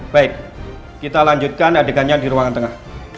baik kita lanjutkan adegannya di ruangan tengah